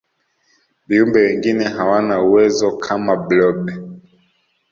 viumbe wengine hawana uwezo kama blob